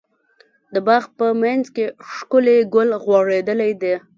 د باغ په منځ کې ښکلی ګل غوړيدلی ده.